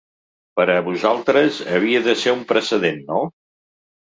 Per a vosaltres havia de ser un precedent, no?